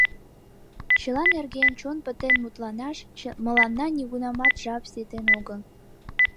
Чыла нерген чон пытен мутланаш мыланна нигунамат жап ситен огыл...